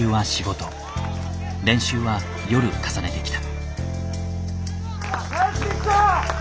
練習は夜重ねてきた。